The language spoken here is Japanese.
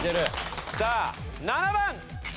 さあ７番。